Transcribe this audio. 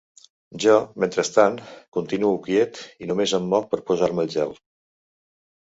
Jo, mentrestant, continuo quiet i només em moc per posar-me el gel.